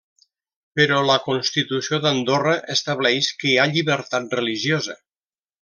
Però la constitució d'Andorra estableix que hi ha llibertat religiosa.